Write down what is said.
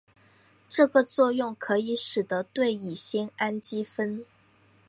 这个作用可以使得对乙酰氨基酚。